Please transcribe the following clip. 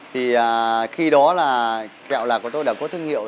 thì khi đó là gạo lạc của tôi đã có thương hiệu